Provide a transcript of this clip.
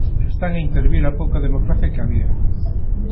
Están a intervir a pouca democracia que había.